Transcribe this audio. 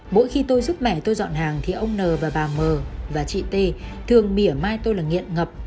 mỗi khi tôi giúp mẹ tôi dọn hàng thì ông n và bà mờ và chị t thường bỉa mai tôi là nghiện ngập